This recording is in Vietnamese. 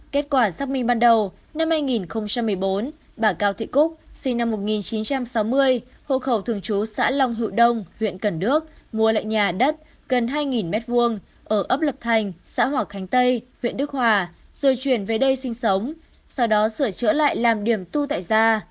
kết quả xác minh ban đầu năm hai nghìn một mươi bốn bà cao thị cúc sinh năm một nghìn chín trăm sáu mươi hộ khẩu thường trú xã long hữu đông huyện cần đước mua lại nhà đất gần hai m hai ở ấp lập thành xã hòa khánh tây huyện đức hòa rồi chuyển về đây sinh sống sau đó sửa chữa lại làm điểm tu tại gia